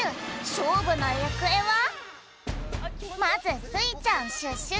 しょうぶのゆくえは⁉まずスイちゃん＆シュッシュチーム。